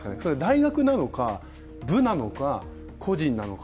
大学なのか、部なのか、個人なのか。